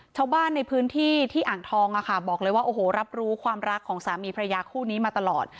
ชาวบ้านในพื้นที่ที่อ่างทองบอกเลยว่าโอ้โหรับรู้ความรักของสามีพระยาคู่นี้มาตลอด